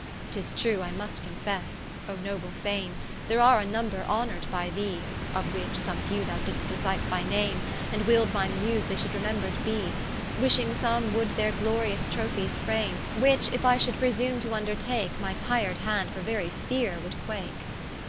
Tis true, I must confesse (O noble Fame) There are a number honoured by thee, Of which, some few thou didst recite by name, And willd my Muse they should remembred bee; Wishing some would their glorious Trophies frame: Which if I should presume to vndertake, My tired Hand for very feare would quake.